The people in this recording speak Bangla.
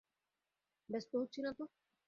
ব্যস্ত হচ্ছি না তো!